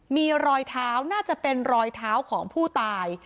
มีรอยเท้าน่าจะเป็นรอยเท้าของผู้ตาย